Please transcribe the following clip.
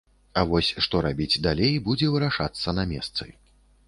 А вось што рабіць далей, будзе вырашацца на месцы.